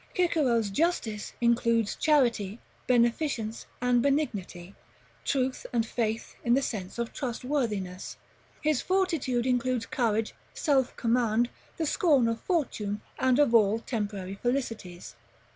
Cicero's Justice includes charity, beneficence, and benignity, truth, and faith in the sense of trustworthiness. His Fortitude includes courage, self command, the scorn of fortune and of all temporary felicities.